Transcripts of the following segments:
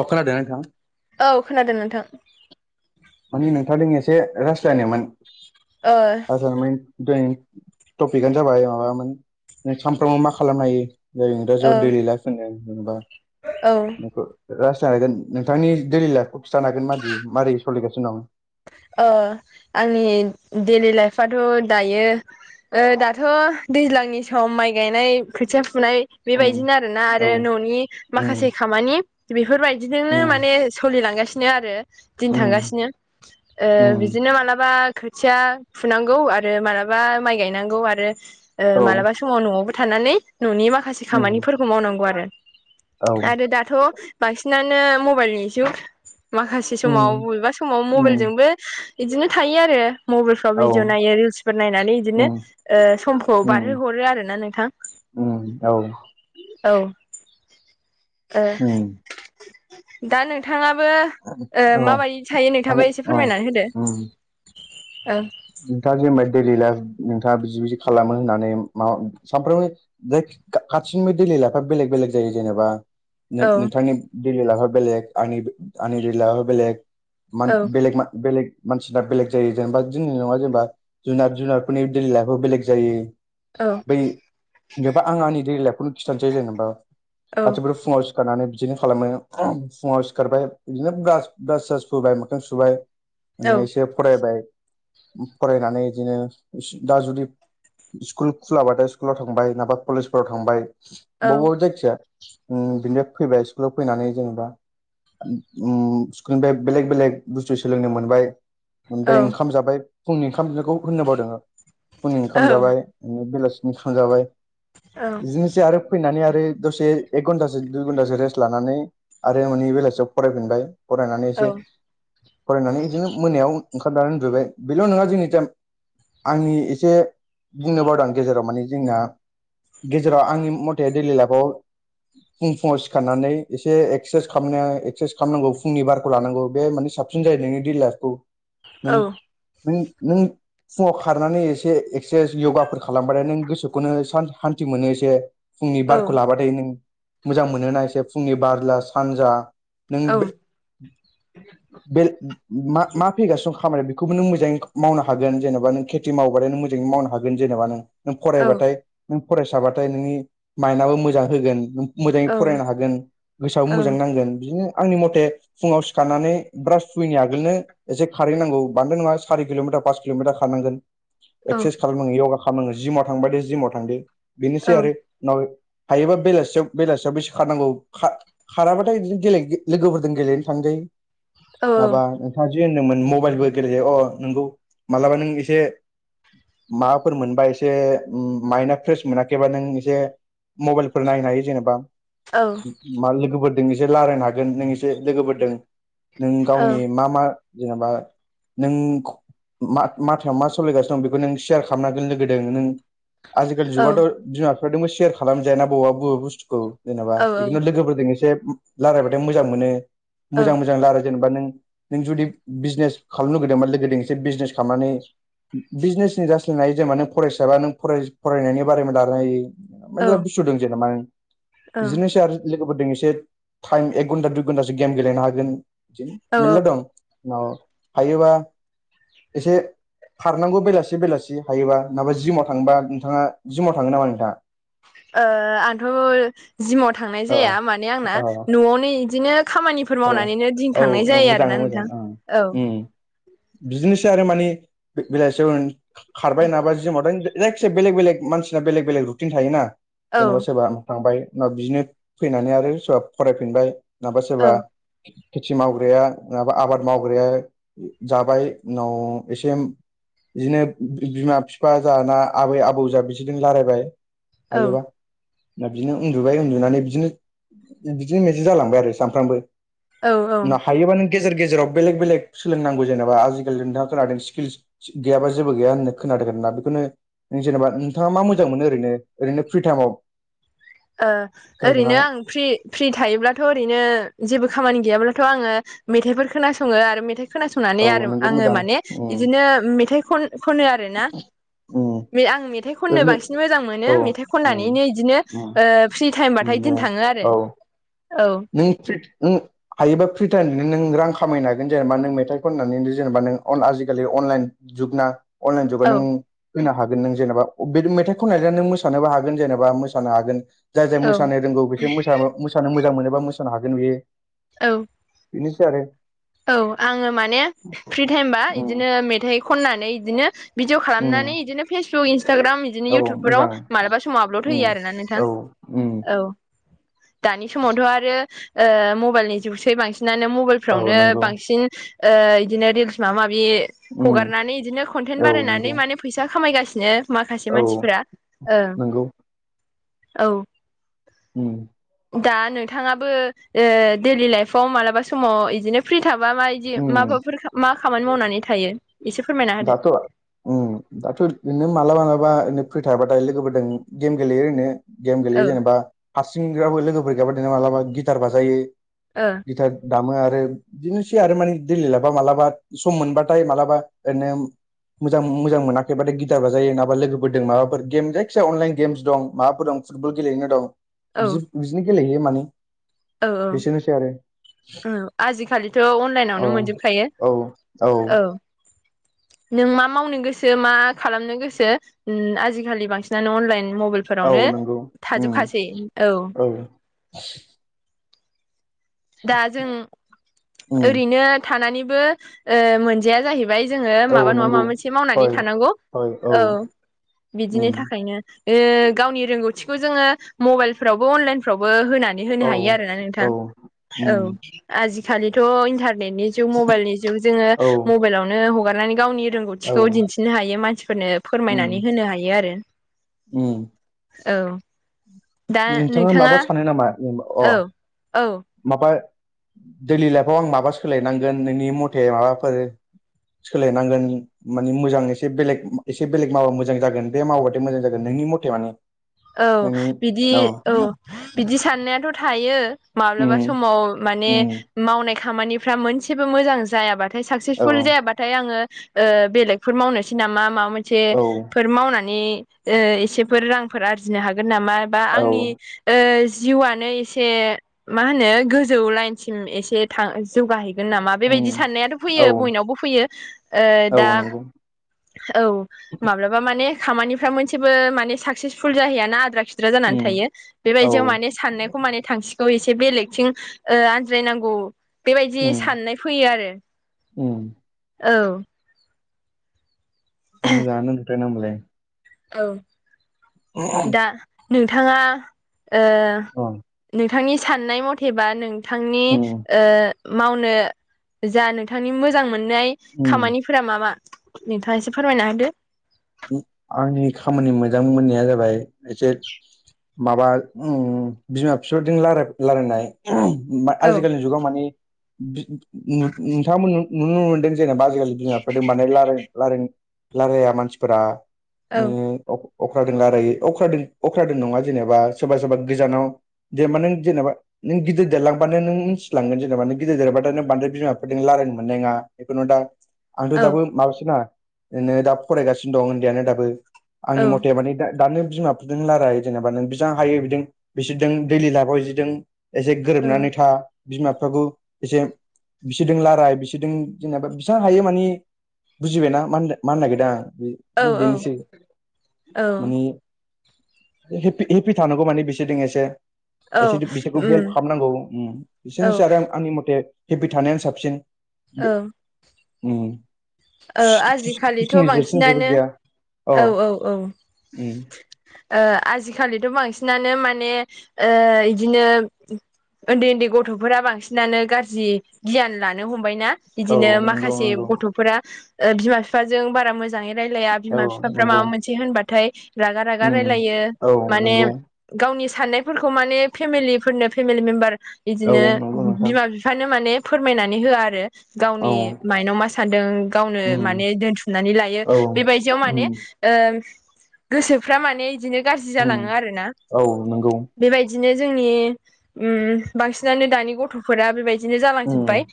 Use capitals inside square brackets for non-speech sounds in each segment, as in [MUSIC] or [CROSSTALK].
अख्रा देनाखाां औ खोनादों नोंथां माने नोंथांजों एसे राजास्लायनिमोन ओ आ दिनै टपिकआनो जाबाय माबामोन सानफ्रोमबो मा खालामनो हायो। जेरै ओ इंराजियाव डलि लाइफ होनो जेनेबा औ [UNINTELLIGIBLE] नोंथांनि दोलो लाफखौ खिन्थानो हागोन माददि मारोरै सोलिगासिनो दं अ आंनि डेलि लाइफथ' दायो ओ दाथ' दैज्लांनि सम माइ गायनाय खोथिया फुनाय उम बेबायदिनो आरो ना औ आरो न'नि उम माखासे खामानि बेफोरबायदि बिदिजोंनो उम माने सोलिलांगासिनो आरो दिन उम थांगासिनो उम बिदिनो मालाबा खोथिया फुनांगौ आरो मालाबा माइ गायनांगौ आरो। ओ औ मालाबा समाव न'आवबो थानानै न'नि माखासे उम खामानिफोरखौ मावनांगौ आरो। औ आरो दाथ' बांसिनानो मबाइलनि जुग माखासे समाव उम बबेबा सम मबाइल उम जोंबो बिदिनो थायो आरो मबाइलफ्राव औ भिडिअ उम नायो रिलस फोर नायनानै बिदिनो ओ समखौ उम बारहोहरो आरोना नोंथां। औ औ ओ। उम दा नोंथाङाबो ओ औ। माबायदि थायो आं नोंथाबो एसे औ फोरमायनानै होदो उम औ नोंथाङा जेनेबा दैलि लाइफ नोंथाङा बिदि बिदि खालामो होननानै माबा सानफ्रामबो [UNINTELLIGIBLE] खाथिनिबो दै लाइफा बेलेग बेलेग जायो जेनेबा नोंथांनि दिलि लाइफा बेलेग आंनि आंनि दैलि लायफा बेलेग औ [UNINTELLIGIBLE] बेलेग बेलेग मानसिना बेलेग जायो जेनेबा [UNINTELLIGIBLE] नङा जेनेबा जार जुनारफोरनि दैलि लायफा बेलेग जायो औ बै जेनेबा आं आंनि दै लाइफखौनो खिन्थानोसै जेनेबा गासिबो फुङाव सिखारनानै बिदिनो खालामो फुङाव सिखारबाय बिदिनो ब्रास सास फोबाय मोखां सुबाय औ एसे फरायबाय फरायनानै बिदिनो दा जुदि स्कुल खुलाबाथाय स्कुलाव थांबाय नाबा कलेजफोराव थांबाय औ बबेबेा जायखिया बिनिफ्राय फैबाय स्कुलाव फैनानै जेनेबा स्कुलनिफ्राय बेलेग बेलेग बुस्थु सोलोंनो मोनबाय औ ओमफ्राय ओंखाम जाबाय फुंनि ओंखामखौ होननो बावदों फुंनि औ ओंखाम जाबाय नो बेलासिनि थांजाबाय औ औ बिदिनो एसे आरो फैनानै आरो दसे एक घन्टासो दुइ घन्टासो रेस्ट लानानै आरो माने बेलासियाव फरायफिनबाय फरायनानै औ औ एसे फरायनानै बिदिनो मोनायाव ओंखारनानै उनदुबाय बेल' नङा जोंनि जा आंनि एसे बुंनो बावदां गेजेराव माने जोंना गेजेराव आंनि मथे दैलि लाइफआव फुं फुुंवाव सिखारनानै एसे एक्सारसाइस एकसारसाइस खालामनांगौ फुंनि बारखौ लानांगौ बे मान साफ [UNINTELLIGIBLE] औ नों नों फुङाव खारनानै एसे एक्सारसाइस य'गाफोर खालामबाथाय नों गोसोखौनो सान्थि मोनो एसे फुंनि बारखौ लाबाथाय नों मोजां मोनो ना एसे फुंनि बारला सानजा नों बे बेल मा मा फैगासिनो खामानि बे बेबो नों मोजाङै मावनो हागोन जेनेबा नों खेथि मावबाानो नों मोजाङै मावनो हागोन जेनेबा नों नों औ फरायबाथाय नों फरायसाबाथाय नोंनि माइन्दआबो मोजां होगोन नों मोजाङै फरायनो हागोन गोसोआव मोजांनांगोन बिदिनो आंनि मथे फुङाव सिखारनानै ब्रास फुइनि आगोलनो एसे खारै नांगौ बान्दो नङा सारि किल'मिटार पास किल'मिटार खारनांगोन एक्सारसाइस खालामनाङो यगा खालामनङो जिमाव थांब दो जिमाव थांदो बेनोसै आरो। हायोबा बेलासियाव बेलासियाव बेसे खारनांगौ खा खाराबाथाय बिदिनो गेल लोगोफोरजों गेलेनो थांजायो माबा नोंथाङा जे होनदोंमोन मबाइलबो गेलेजायो। अ नोंगौ मालाबा नों एसे माबाफोर मोनबा एसे माइन्दा फ्रेस मोनाखैबा नों एसे मबाइलफोर नायनो हायो जेनेबा। औ मा लोगोफोरजों एसे रायल्लायनो हागोन। नों एसे लोगोफोरजों नों गावनि मा मा जेनेबा नों माथायाव मा सालायगासिनो दं बेखौ नों सेयार खालामनो हागोन लोगोदों नों। आजिखालि जुगावथ' बिमा बिफाजोंबो सेयार खालामजायाना बबा बबा बुस्थुखौ। जेनेबा बेखोनो लोगोफोरजों एसे रायलायबाथाय मोजां मोनो। मोजां मोजां रायलाय जेनेबा नों नों जुदि बिजनेस खालामनो लुगैदोंबा लोगोजों एसे बिजनेस खालामनानै बिजनेसनि जासलायनो हायो। जेनेबा नों फरायसाबा नों फरायनायनि बारैनो लानो हायो। मेल्ला बुस्थु दं जेनेबा औ बिदिनोसै आरो। लोगोफोरजों एसे टाइम एक घन्टा दुइ घन्टासो गेम गेलेनो हागोन औ बिदिनो औ मेरला दं। उनाव हायोबा एसे खारनांगौ बेलासि बेलासि हायोबा नाबा जिमाव थांङोबा नोंथाङा जिमाव थाङो नामा नोंथाङा? ओ आंथ' जिमाव थांनाय अ जाया माने आंना अ न'आवनो इदिनो खामानिफोर मावनानैनो दिन औ औ थांनाय जायो मोजाङै आरोना मोजां नोंथां ओं औ। उम बिदिनोसै आरो मानि बेलासियाव खारबाय नाबाय जिमावथ जायखिजया बेलेग बेलेग मानसिना बेलेग बेलेग रुटिन थायो ना। औ जेन'बा सोरबा थांबाय बिदिनो फैनानै आरो सोरबा फरायफिनबाय नङाबा औ सोरबा खेथि मावग्राया माबा आबाद मावग्राया जाबाय उनाव एसे बिदिनो बिमा बिफा जाना आबै आबौ जा बिसोरजों रायलायबाय औ हायोबा। दा बिदिनो उन्दुबाय उन्दुनानै बिदिनो बिदिनो मेेजि जालांबाय आरो सामफ्रामबो। औ औ हायोबा नों गेजेर गेजेराव बेलेग बेलेग सोलोंनांगौ जेनेबा आजिखालि नोंथाङा खोनादों स्किल्स गैयाबा जेबो गैया होननो खोनादों ना बेखौनो नों जेनेबा नोंथाङा मा मोजां मोनो ओरैनो ओरैनो फ्रि टाइमाव? ओ ओरैनो खोनादोंना आं फ्रि फ्रि थायोब्लाथ' ओरैनो जेबो खामानि गैयाब्लाथ' आङो मेथाइफोर खोनासङो आरो मेथाइ खोनासंनानै औ आरो नोंगौ आङो मोजां माने उम बिदिनो मेथाइ खन खनो आरो ना उम बे आं मेथाइ खननो ओरैनो बांसिन मोजां मोनो औ मेथाइ उम खननानैनो बिदिनो उम ओ फ्रि उम टाइमबाथाय दे दिन थाङो आरो औ औ। नों फ्रित नों हायोबा फ्रि टाइमजोंनो नों रां खामायनो हागोन। जेनेबा नों मेथाइ खननानै जेनेबा नों आजिखालि अनलाइन जुगना अनलाइन जुगाव औ नों होनो हागोन नों जेनेबा। बे मेथाइ खननानै नों मोसानोबो हागोन जेनेबा मोसानो हागोन। जाय जाय औ मोसानो रोंगौ बिसोर मोसानो मोजां मोनोबा मोसानो हागोन बेयो। औ बिदिनोसै आरो। औ आङो माने फ्रि टाइमबा उम बिदिनो मेथाइ खननानै बिदिनो भिडिअ' उम खालामनानै बिदिनो फेसबुक इन्स्टाग्राम बिदिनो औ मोजां इउथुबफोराव मालाबा समाव आपलड उम होयो आरोना नोंथां उम औ। दानि समावथ' आरो ओ मबाइलनि जुगसै बांसिनानो औ मबाइलफ्रावनो नंगौ बिदिनो रिल्स माबा माबि उम हगारनानै बिदिनो कनटेन औ बारायनानै नंगौ माने फैसा खामायगासिनो माखासे औ मानसिफोरा ओं। नंगौ औ। उम। दा नोंथाङाबो दैइलि लाइफआव मालाबा समाव बिदिनो फ्रि थाबा माय बि उम माबाफोर मा खामानि मावनानै थायो इसे फोरमायना होदो दाथ' अम दाथ' ओरैनो मालाबा मालाबा ओरैनो फ्रि थाबाथाय लोगोफोरजों गेम गेलेयो ओरैनो गेम औ गेलेयो जेनेबा हारसिंबाबो लोगोफोर गैयाबा जेना मालाबा गिटार बाजायो ओ गिटार दामो आरो बिदिनोसै आरो माने दै लाबा माबलाबा सम मोनबाथाय मालाबा ओरैनो मोजां मोजां मोनाखैबाथाय गिटार बा जायो नङाबा लोगोफोरजों माबाफोर गेम जायखिजाया अनलाइन गेमस दं माबाफोर दं फुटबल गेलेनो दं बि औ बिदिनो गेलेहैयो माने औ बेसेनोसै आरो औ आजिखालिथ' औ अनलाइनावनो मोनजोबखायो औ औ नों मा मावनो गोसो मा खालामनो गोसो आजिखालि बांसिनानो अनलाइन औ मबाइलफोरावनो नंगौ उम थाजोबखासै औ [INAUDIBLE] दा जों उम ओरैनो थानानैबो मोनजाया जाहै बाय जोंङो औ माबा नङा नंगौ माबा मोनसे मावनानै हय थानांगौ औ बिदिनि उम थाखायनो ओ गावनि रोंगौथिखौ जोंङो मबाइलफ्रावबो अनलाइनफ्रावबो होनानै होनो औ हायो आरो ना औ नोंथां। औ उम आजिखालिथ' इन्टारनेटनि जग मबाइलनि जुग जोंङो औ मबाइलावनो हगारनानै गावनि औ रोंगौथिखौ दिन्थिनो हायो मानसिफोरनो उम फोरमायनानै होनो हायो आरो उम औ नोंथाङा माबा सानो नामा अ औ औ माबा देलि लाइफआव आं माबा सोलायनांगोन नोंनि मथे माबाफोर सोलायनांगोन माने मोजां एसे बेलेग एसे बेलेग मावा मोजां जागोन बे मावबाथाय मोजां जागोन नोंनि मथे माने औ नोंनि बिदि औ बिदि साननायाथ' थायो माब्लाबा उम समाव माने उम मावनाय खामानिफ्रा मोनसेबो मोजां जायाबा थाय औ साकसेसफुल जायाबाथाय आङो बेलेगफोर मावनोसै नामा माबा मोनसे औ फोर मावनानै एसेफोर रांफोर आरजिनो हागोन नामा बा औ आंनि जिउआनो एसे मा होनो गोजौ लाइनसिम एसे थां जौगाहैगोन नामा बेबायदि उम साननायाथ' फैयो औ बयनावबो फैयो औ दा नंगौ औ माब्लाबा माने खामानिफ्रा मोनसेबो माने साकसेसफुल जाहैयाना आद्रा खि द्रा जानानै उम थायो औ बेबायदियाव माने साननायखौ माने थांखि खौ एसे बेलेगथिं आनज्रायनांगौ बेबायदि उम साननाय फैयो आरो उम औ मोजां आनो [UNINTELLIGIBLE] औ अ दा नोंथाङा ओ नोंथांनि साननाय मथेबा नोंथांनि उम ओ मावनो जा नोंथांनि मोजां मोननाय उम खामानि फोरा म मा नोंथाङा एसे फोरमायना होदो आंनि खामानि मोजां मोननाया जाबाय एसे माबा बिमा बिफाजों रायलायनाय औ आजिखालिनि जुगाव माने नोंथां नु-नुनो मोनदों जे नेबा आजिखालि बिमा बिफादो राय-राय-रायलाया मानसिफोरा औ अम अख्रादों रायलायो अख्रादों अख्रादों नङा जेनेबा सोरबा सोरबा गोजानाव दे माने जेनेबा नों गिदिर देरलांबानो नों मिथिलांगोन जेनेबा नोंगिदि देरबानो नों बांद्राय बिमाफोर दों रायलायनो मोननाय नङा। जिखुनो दा आंथ' औ दाबो माबासो ना दा फरायगासिनो दं उन्दैयानो दाबो औ आंनि मथे माने दा दानो बिमाफोरजों रायलायो जेनेबा नों बि हायो बिदि बिसोरजों दैलि लाइफआव बिसोरदों एसे गोरोबनानै था बिमा बिफाखौ एसे बिसोरजों राराय बिसोरजों जेनेबा बिसिबां हायो माने बुजिबायना म मानो नागिरदों आं बे औ औ [UNINTELLIGIBLE] थानांगौ मानि बेसे इसे औ एसे बिसोरखौ हेल्प उम खालामनांगौ औ बिसोरनोसै आरो आंनि मथे हेपि थानायानो साबसिन औ बे ओ आजिखालिथ' खुसिनि जेरसिन जेबो बांसिनानो गैया औ आजिखालिथ' बांसिनानो माने ओ बिदिनो उन्दै उन्दै गथ'फोरा बांसिनानो गाज्रि गियान लानो हमबायना औ बिदिनो नंगौ माखासे नंगौ गथ' फोर बिमा बिफाजों बारा मोजाङै रायलाया औ बिमा बिफाफ्रा नंगौ माबा मोनसे होनबाथाय रागा रागा उम रायलायो औ माने नंगौ गावनि साननायफोरखौ माने फेमिलिफोरनो फेमिलि मेम्बार औ बिदिनो नंगौ बिमा नोंथां बिफा बिखानो माने फोरमायनानै होआ आरो औ गावनि माइनाव मा सान्दों गावनो उम माने दोनथुमनानै लायो औ बेबायदियाव उम माने गोसोफ्रा माने बिदिनो गाज्रि उम जालाङो आरो ना औ नंगौ बेबायदिनो जोंनि बांसिनानो दानि गथ' फोरा बेबायदिनो उम जालांजोब्बाय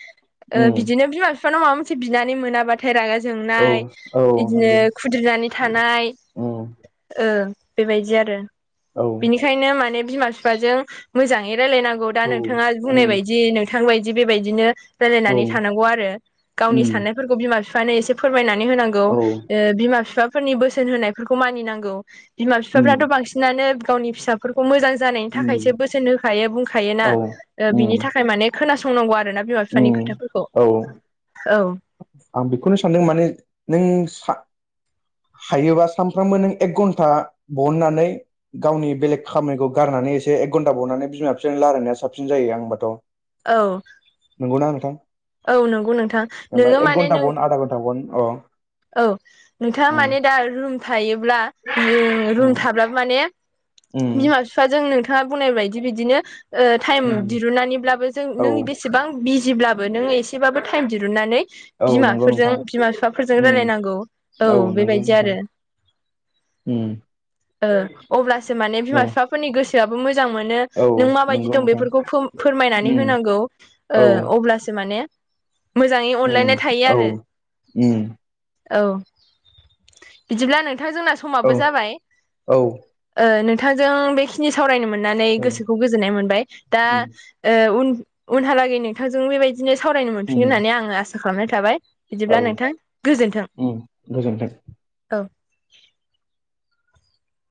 उम बिदिनो बिमा बिफानाव माबा मोनसे बिनानै मोनाबा फिथाइ रागा औ जोंनाय औ बिदिनो खुद्रिनानै थानाय औ ओ बेबायदि आरो औ बेंखायनो माने बिमा बिफाजों मोजाङै रायजलायनांगौ दा औ नोंथाङा बुंनाय उम बायदि बिथांबायदि बेबायदिनो औ रायलायनानै थानांगौ आरो गावनि उम साननायफोरखौ बिमा बिफानो एसे फोरमायनानै होनांगौ औ बिमा बिफाफोरनि बोसोन होनायफोरखौ मानिनांगौ बिमा उम बिफाफ्राथ' बांसिनानो गावनि फिसा फोरखौ मोजां जानायनि थाखायसो उम बोसोन होखायो बुंखायोोना औ बिनि उम थाखाय माने खोनासंनांगौ आरोना बिमा बिफानि उम खोथाफोरखौ औ औ आं बेखौनो सानदों माने नों हायोबा सानफ्रामबो नों एक घन्टा बननानै गावनि बेलेग खामानिखौ गारनानै एसे एक घन्टा बावनानै बिमा बिफानि रायलायनाया साबसिन जायो आं होनबाथ' औ औ नंगौ नोंथां जबा नोङो एक माने घन्टा नों बन आधा घन्टा बन अ औ नोंथाङा उम माने दा रुम थायोब्ला रुम उम थाब्लाबो माने उम बिमा बिफाजों नोंथाङा बुंनायबायदि बिदिनो टाइम उम दिरुननानैब्लाबो जों औ नों बे इसेबां बिजिब्लाबो नोङो एसेबाबो टाइम दिरुनन्नानै औ नंगौ बिमाफोरजों नोंथां बिमा बिफाफोर उम रायलायनांगौ औ नंगौ बेबायदि नोंथां आरो उम अब्लासो माने बिमा औ बिफा फोरनि गोसोआबो मोजां मोनो औ नों माबायदि नंगौ दं नोंथां बेफोरखौ फोरमायनानै उम होनांगौ औ अब्लासो माने मोजाङै उम अनलायनाय थायो औ आरो उम औ बिदिब्ला नोंथां जोंना औ समाबो जाबाय औ नोंथांजों बेखिनि सावरायनो मोननानै औ गोसोखौ गोजोननाय मोनबाय दा उम उन उनहालागै नोंथांजों बेबायदिनो सावरायनो मोनफिनगोन उम होननानै आङो आसा खालामनाय थाबाय औ बिदिब्ला नोंथां गोजोन्थों उम गोजोन्थों। औ